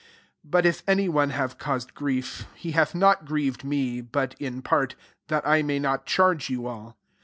.5 But if any one have caus ed grief, he hath not grieved me, but in part ; that I may hot charge you all.